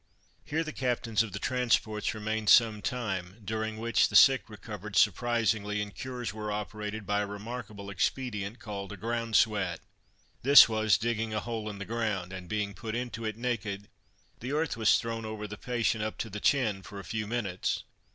Here the captains of the transports remained some time, during which the sick recovered surprisingly, and cures were operated by a remarkable expedient, called a ground sweat. This was digging a hole in the ground, and, being put into it naked, the earth was thrown over the patient up to the chin, for a few minutes.